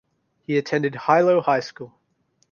He attended Hilo High school.